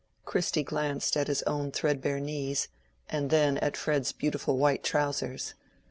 Christy glanced at his own threadbare knees, and then at Fred's beautiful white trousers.